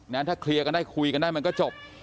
ถ้าเคลียร์กันได้คุยกันได้มันก็จบ